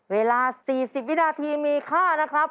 เวลา๔๐วินาทีมีค่านะครับ